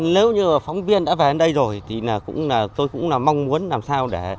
nếu như phóng viên đã về đến đây rồi thì tôi cũng mong muốn làm sao để